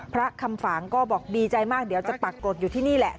พระคำฝางก็บอกดีใจมากเดี๋ยวจะปรากฏอยู่ที่นี่แหละ